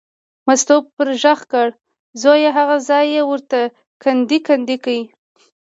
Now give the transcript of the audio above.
مستو پرې غږ کړ، زویه هغه ځای یې ورته کندې کندې کړ.